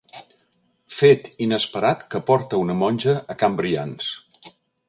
Fet inesperat que porta una monja a Can Brians.